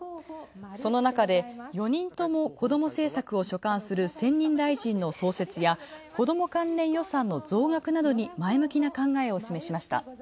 そのなかで、４人とも子ども政策を所管する専任大臣の創設や子ども関連予算の増額などに考えを示しました。